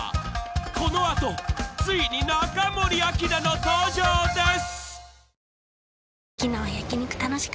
この後ついに中森明菜の登場です］